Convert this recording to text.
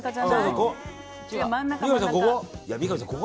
三上さん、ここ？